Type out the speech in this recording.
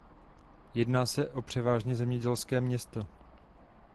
Jedná se o převážně zemědělské město.